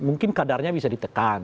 mungkin kadarnya bisa ditekan